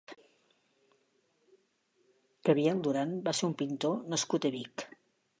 Gabriel Durán va ser un pintor nascut a Vic.